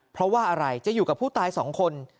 เพราะว่าอะไรจะอยู่กับผู้ตายสองคน